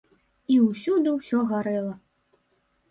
І ўсюды ўсё гарэла.